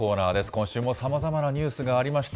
今週もさまざまなニュースがありました。